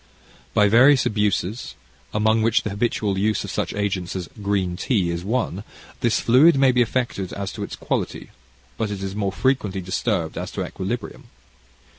By various abuses, among which the habitual use of such agents as green tea is one, this fluid may be affected as to its quality, but it is more frequently disturbed as to equilibrium.